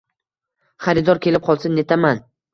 Xaridor kelib qolsa netaman